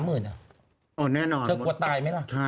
อ๋อแน่นอนเกือบกวนตายไหมล่ะ